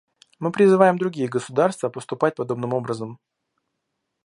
Мы призываем другие государства поступать подобным образом.